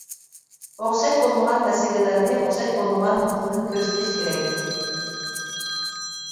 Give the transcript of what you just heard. ئوخشاش بولمىغان مەسىلىلەرنى ئوخشاش بولمىغان نۇقتىدىن كۆزىتىش كېرەك.